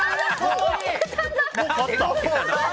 もう勝った。